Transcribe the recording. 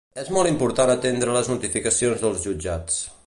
És molt important atendre a les notificacions dels jutjats.